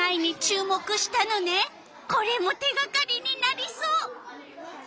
これも手がかりになりそう。